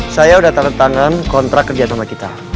saya udah tanda tangan kontrak kerja sama kita